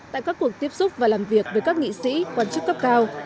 tại các cuộc tiếp xúc và làm việc với các nghị sĩ quan chức cấp cao